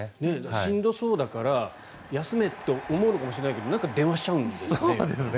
しんどそうだから休めと思うのかもしれないけどなんか電話しちゃうんですね。